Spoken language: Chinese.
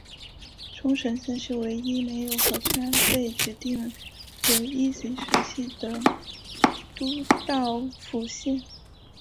冲绳县是唯一没有河川被指定为一级水系的都道府县。